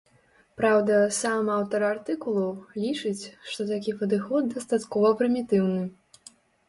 Праўда, сам аўтар артыкулу лічыць, што такі падыход дастаткова прымітыўны.